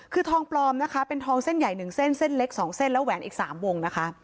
คือทองปลอมนะคะเป็นทองเส้นใหญ่๑เส้นเส้นเล็ก๒เส้นแล้วแหวนอีก๓วงนะคะ